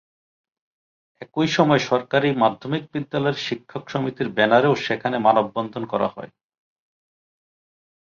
একই সময় সরকারি মাধ্যমিক বিদ্যালয়ের শিক্ষক সমিতির ব্যানারেও সেখানে মানববন্ধন করা হয়।